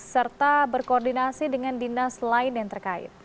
serta berkoordinasi dengan dinas lain yang terkait